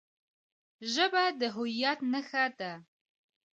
ژبه د هویت نښه ده.